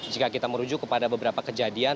jika kita merujuk kepada beberapa kejadian